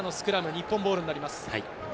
日本ボールになります。